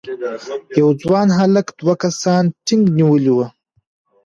یو ځوان هلک دوه کسانو ټینک نیولی و.